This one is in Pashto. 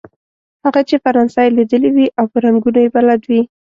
هغه چې فرانسه یې ليدلې وي او په رنګونو يې بلد وي.